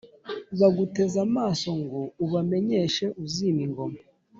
Baguteze amaso ngo ubamenyeshe uzima ingoma